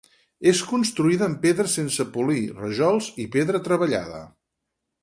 És construïda amb pedra sense polir, rajols i pedra treballada.